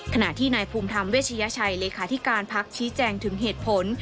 ขณะที่นายภูมิธรรมเวชยชัยเลขาธิการพักชี้แจงถึงเหตุผล